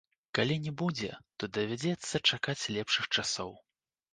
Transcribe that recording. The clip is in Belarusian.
Калі не будзе, то давядзецца чакаць лепшых часоў.